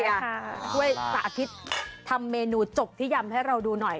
ช่วยสาธิตทำเมนูจบที่ยำให้เราดูหน่อย